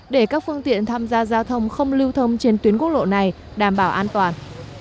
để các phương tiện tham gia giao thông không lưu thông trên tuyến quốc lộ này đảm bảo an toàn